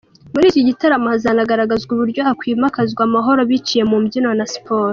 Muri iki gitaramo, hazanagaragazwa uburyo hakwimakazwa amahoro biciye mu mbyino na siporo.